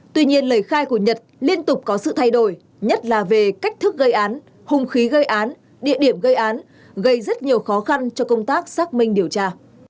tuy nhiên lời khai của nhật liên tục có sự thay đổi nhất là về cách thức gây án hùng khí gây án địa điểm gây án gây rất nhiều khó khăn cho công tác xác minh điều tra